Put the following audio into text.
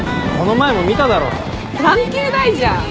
関係ないじゃん。